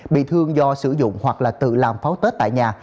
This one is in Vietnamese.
bị thương do sử dụng hoặc là tự làm pháo tết tại nhà